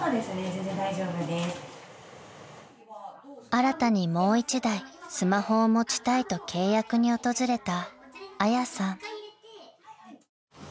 ［新たにもう一台スマホを持ちたいと契約に訪れた］